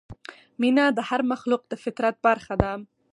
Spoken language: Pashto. مینه د هر مخلوق د فطرت برخه ده.